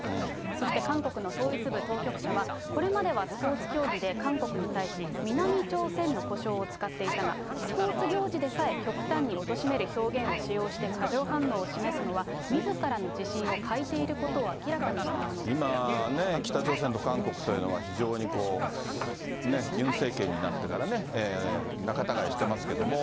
そして韓国の統一部当局者は、これまではスポーツ競技で、韓国に対し、南朝鮮の呼称を使っていたが、スポーツ行事でさえ、極端におとしめる表現を使用して、過剰反応を示すのは、みずからの自信を欠いていることを明らかに今ね、北朝鮮と韓国というのは、非常にこう、ね、ユン政権になってからね、仲たがいしてますけども。